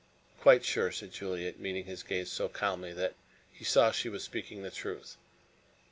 "Quite sure," said Juliet, meeting his gaze so calmly that he saw she was speaking the truth.